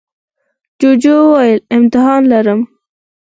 جوجو وویل امتحان لرم.